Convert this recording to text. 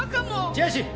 「ジェシー。